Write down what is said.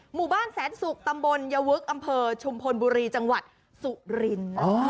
หมู่บ้านแสนศุกร์ตำบลยวึกอำเภอชุมพลบุรีจังหวัดสุรินทร์